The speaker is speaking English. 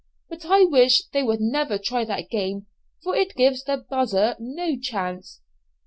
But I wish they would never try that game, for it gives the 'buzzer' no chance."